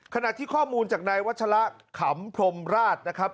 ขณะที่ข้อมูลจากนายวัชละขำพรมราชนะครับ